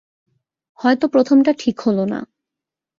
হয়তো প্রথমটা ঠিক হল না।